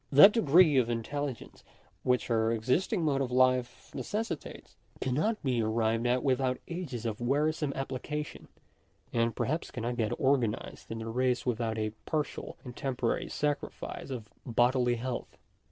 That degree of intelligence which our existing mode of life necessitates, cannot be arrived at without ages of wearisome application ; and perhaps cannot get organ ized in the race without a partial and temporary sacrifice of bodily health.